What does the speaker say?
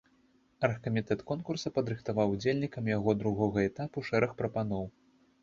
Аргкамітэт конкурса падрыхтаваў удзельнікам яго другога этапу шэраг прапаноў.